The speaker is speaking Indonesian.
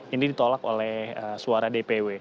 ini ditolak oleh suara dpw